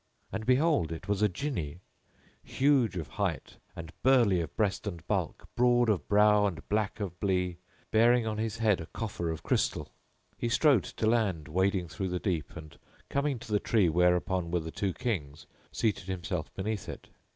And behold, it was a Jinni,[FN#12] huge of height and burly of breast and bulk, broad of brow and black of blee, bearing on his head a coffer of crystal. He strode to land, wading through the deep, and coming to the tree whereupon were the two Kings, seated himself beneath it.